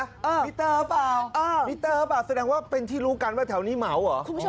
เออมิเตอร์เปล่ามิเตอร์เปล่าแสดงว่าเป็นที่รู้กันว่าแถวนี้เหมาะเหรอ